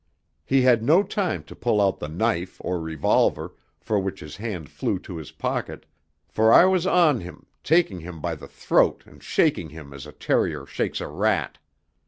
He had no time to pull out the knife or revolver, for which his hand flew to his pocket, for I was on him, taking him by the throat and shaking him as a terrier shakes a rat.